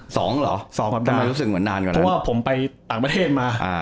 สองหรอสามประบดาทำไมรู้สึกเหมือนนานกว่าว่าผมไปต่างประเทศมาอ่า